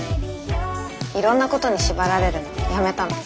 いろんなことに縛られるのやめたの。